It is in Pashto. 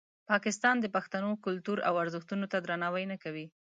پاکستان د پښتنو کلتور او ارزښتونو ته درناوی نه کوي.